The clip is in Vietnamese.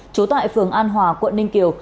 trú tại phường an hòa quận ninh kiều